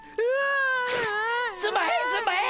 すんまへんすんまへん！